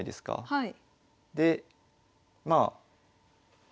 はい。